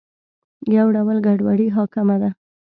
یو ډول ګډوډي حاکمه ده.